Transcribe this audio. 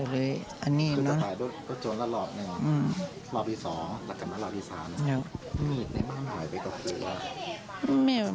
มีดในบ้านหายไปก็คือว่า